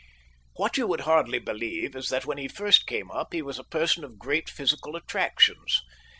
What you would hardly believe is that, when he first came up, he was a person of great physical attractions.